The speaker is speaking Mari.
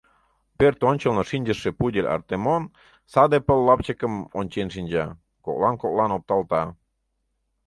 Пӧрт ончылно шинчыше пудель Артемон саде пыл лапчыкым ончен шинча, коклан-коклан опталта.